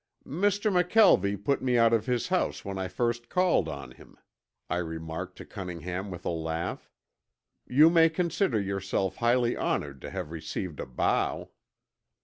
"Mr. McKelvie put me out of his house when I first called on him," I remarked to Cunningham with a laugh. "You may consider yourself highly honored to have received a bow."